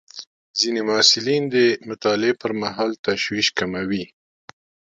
ځینې محصلین د مطالعې پر مهال تشویش کموي.